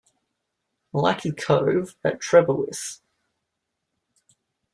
"Malachi's Cove" at Trebarwith.